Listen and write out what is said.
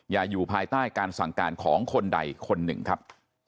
อยู่ภายใต้การสั่งการของคนใดคนหนึ่งครับ